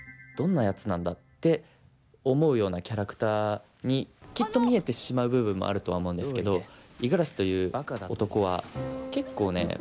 どんなやつなんだ」って思うようなキャラクターにきっと見えてしまう部分もあるとは思うんですけど五十嵐という男は結構ね